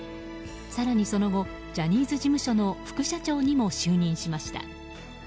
更にその後ジャニーズ事務所の副社長にも就任しました。